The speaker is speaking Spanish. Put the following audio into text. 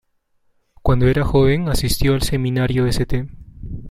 Cuando era joven asistió al Seminario St.